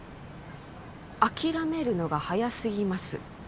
諦めるのが早すぎます